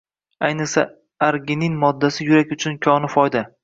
Ayniqsa, arginin moddasi yurak uchun koni foyda.